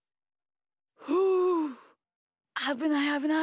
ふうあぶないあぶない。